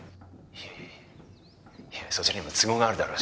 いやいやそちらにも都合があるだろうし。